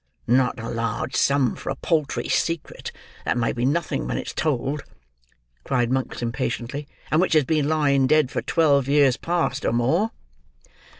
"Not a large sum for a paltry secret, that may be nothing when it's told!" cried Monks impatiently; "and which has been lying dead for twelve years past or more!"